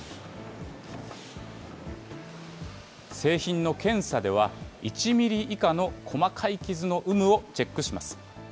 製品の検査では、１ミリ以下の細かい傷の有無をチェックします。